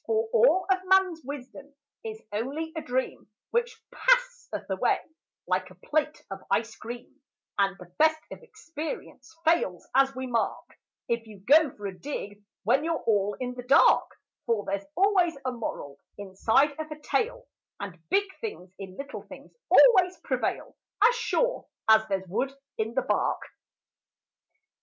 For all of man's wisdom is only a dream, Which passeth away like a plate of ice cream, And the best of experience fails, as we mark, If you go for to dig when you're all in the dark; For there's always a moral inside of a tale, And big things in little things always prevail As sure as there's wood in the bark.